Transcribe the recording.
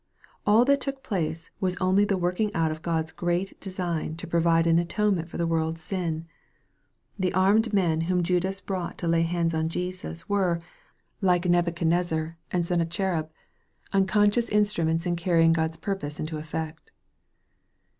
All that took place was only the working out of God's great design to pro vide an atonement for a world's sin. The armed men whom Judas brought to lay hands on Jesus, were, like MARK, OHAP. XIV. 32i Nebuchadnezzar and Sennacherib, unconscious instru ments in carrying God's purposes into effect.